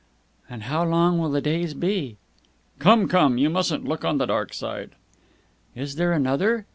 "And how long will the days be!" "Come, come. You mustn't look on the dark side." "Is there another?"